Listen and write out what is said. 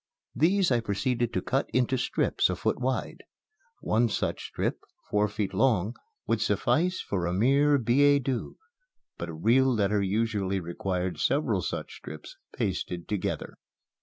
These I proceeded to cut into strips a foot wide. One such strip, four feet long, would suffice for a mere billet doux; but a real letter usually required several such strips pasted together.